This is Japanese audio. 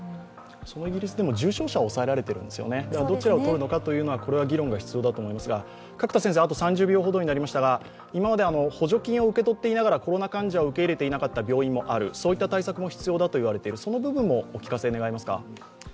イギリスでも重要は抑えられているので、どちらをとるのかというのはこれは議論が必要だと思いますが今まで補助金を受け取っていながらコロナ患者を受け入れなかった病院もある、そういった対策も必要だと言われている、その部分をお聞かせ願えますか？